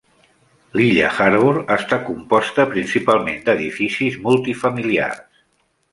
L'illa Harbor està composta principalment d'edificis multifamiliars.